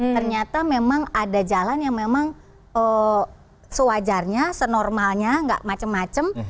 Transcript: ternyata memang ada jalan yang memang sewajarnya senormalnya nggak macam macam